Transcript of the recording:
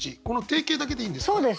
この定型だけでいいんですか？